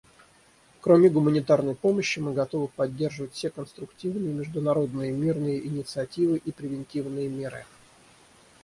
Кроме гуманитарной помощи, мы готовы поддержать все конструктивные международные мирные инициативы и превентивные меры.